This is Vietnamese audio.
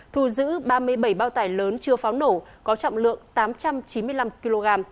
thu giữ ba mươi bảy bao tải lớn chưa pháo nổ có trọng lượng tám trăm chín mươi năm kg